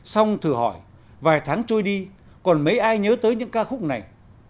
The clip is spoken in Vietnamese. xong thử hỏi vài tháng trôi đi còn mấy ai nhớ tới những ca khúc này